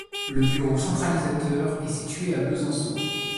Le bureau centralisateur est situé à Besançon.